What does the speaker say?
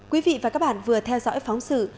quý vị và các bạn vừa theo dõi phóng sự